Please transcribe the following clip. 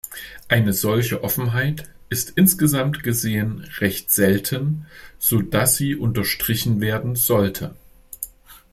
Eine solche Offenheit ist insgesamt gesehen recht selten, so dass sie unterstrichen werden sollte.